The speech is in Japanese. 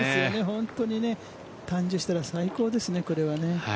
本当に誕生したら最高ですね。